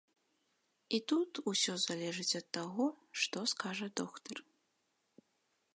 І тут усё залежыць ад таго, што скажа доктар.